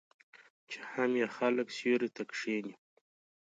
چې هم یې خلک سیوري ته کښیني.